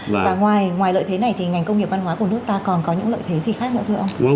và ngoài lợi thế này thì ngành công nghiệp văn hóa của nước ta còn có những lợi thế gì khác nữa thưa ông